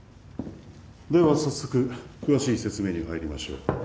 では早速詳しい説明に入りましょう。